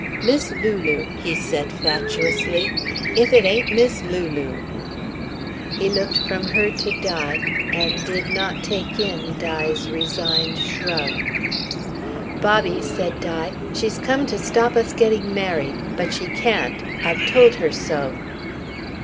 "Miss Lulu," he said fatuously. "If it ain't Miss Lulu." He looked from her to Di, and did not take in Di's resigned shrug. "Bobby," said Di, "she's come to stop us getting married, but she can't. I've told her so."